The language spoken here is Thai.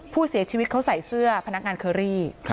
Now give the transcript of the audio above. ผู้เสียชีวิตเขาใส่เสื้อพนักงานเคอรี่